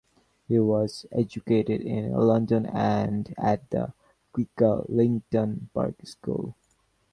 He was educated in London and at the Quaker Leighton Park School.